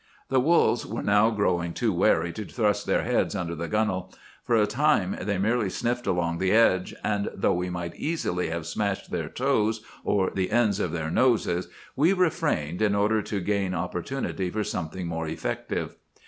"The wolves were now growing too wary to thrust their heads under the gunwale. For a time they merely sniffed along the edge; and though we might easily have smashed their toes or the ends of their noses, we refrained in order to gain opportunity for something more effective.